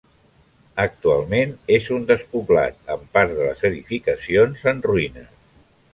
Actualment és un despoblat, amb part de les edificacions en ruïnes.